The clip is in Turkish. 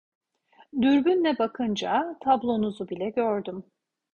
Dürbünle bakınca tablonuzu bile gördüm.